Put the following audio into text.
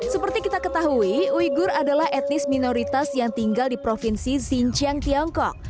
seperti kita ketahui uyghur adalah etnis minoritas yang tinggal di provinsi xinjiang tiongkok